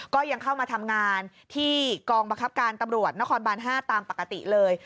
ก็ยังเข้ามาทำงานที่กองบังคับการตำรวจนครบาน๕ตามปกติเลย